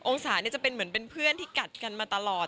องศาจะเป็นเหมือนเป็นเพื่อนที่กัดกันมาตลอด